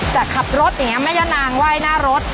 จะขับรถอย่างนี้แม่ย่านางไหว้หน้ารถ